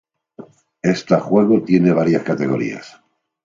Esta juego tiene varias categorías.